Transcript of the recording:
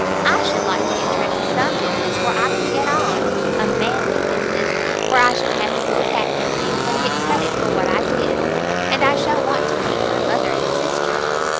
I should like to enter into some business where I can get on,—a manly business, where I should have to look after things, and get credit for what I did. And I shall want to keep my mother and sister."